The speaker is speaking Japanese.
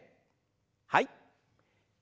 はい。